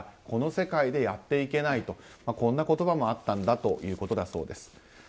この世界でやっていけないとこんな言葉もあったということです。